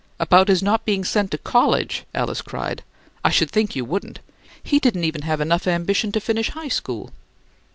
"About his not being sent to college?" Alice cried. "I should think you wouldn't! He didn't even have enough ambition to finish high school!"